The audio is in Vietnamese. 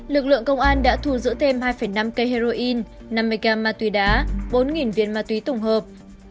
lực lượng công an đã thu giữ thêm hai năm cây heroin năm mươi gram ma túy đá bốn viên ma túy tổng hợp